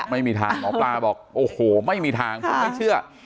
ไม่มีทางหมอปลาบอกโอ้โหไม่มีทางผมไม่เชื่อ